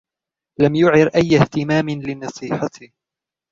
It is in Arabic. لم يعر أي اهتمام لنصيحتي.